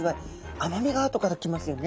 甘みがあとから来ますよね。